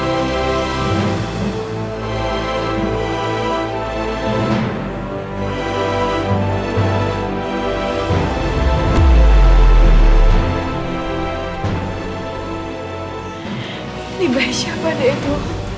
ini baik siapa debo